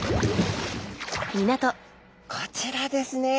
こちらですね